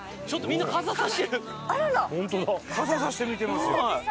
傘差して見てますよ。